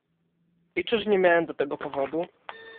"I czyż nie miałem do tego powodu?"